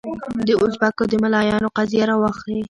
د اوزبکو د ملایانو قضیه راواخلې.